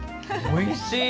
おいしい！